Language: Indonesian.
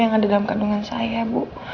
yang ada dalam kandungan saya bu